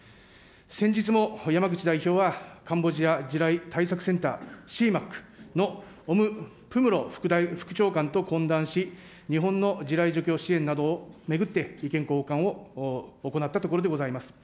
先日も山口代表は、カンボジア地雷対策センター・シーマックの副長官と懇談し、日本の地雷除去支援などを巡って意見交換を行ったところでございます。